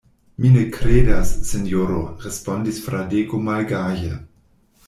Mi ne kredas, sinjoro, respondis Fradeko malgaje.